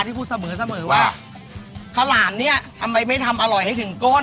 เทคะหลามทำไมไม่ทำอร่อยให้ถึงก้น